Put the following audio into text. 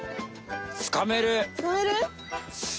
つかめる？